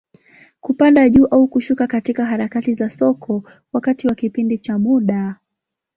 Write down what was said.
Kupanda juu au kushuka katika harakati za soko, wakati wa kipindi cha muda.